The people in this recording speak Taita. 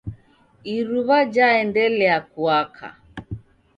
iruw'a jaendelia kuaka.